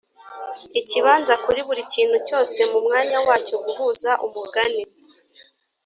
ikibanza kuri buri kintu cyose mumwanya wacyo guhuza umugani